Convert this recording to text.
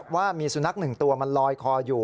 ว่ามีสุนัข๑ตัวมันลอยคออยู่